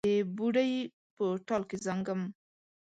د بوډۍ په ټال کې زانګم